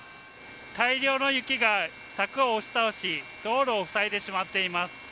大量の雪が柵を押し倒し道路を塞いでしまっています。